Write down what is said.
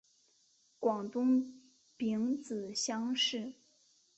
广东丙子乡试。